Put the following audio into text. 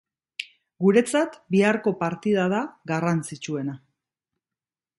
Guretzat biharko partida da garrantzitsuena.